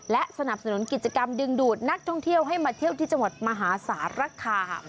และสนับสนุนกิจกรรมดึงดูดนักท่องเที่ยวให้มาเที่ยวที่จังหวัดมหาสารคาม